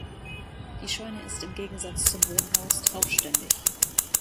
Die Scheune ist im Gegensatz zum Wohnhaus traufständig.